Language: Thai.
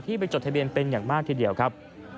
ไปจดทะเบียนเป็นอย่างมากทีเดียวครับ